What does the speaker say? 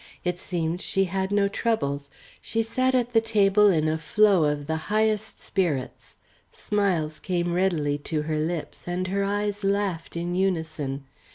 It seemed she had no troubles. She sat at the table in a flow of the highest spirits. Smiles came readily to her lips, and her eyes laughed in unison.